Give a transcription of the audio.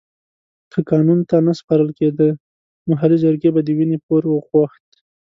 که قانون ته نه سپارل کېده محلي جرګې به د وينې پور غوښت.